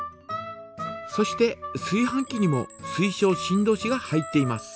そしてすい飯器にも水晶振動子が入っています。